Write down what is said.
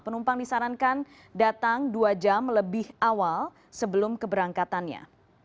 penumpang disarankan datang dua jam lebih awal sebelum keberangkatannya